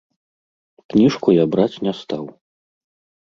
Кніжку я браць не стаў.